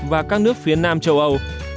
và các nước phía nam châu âu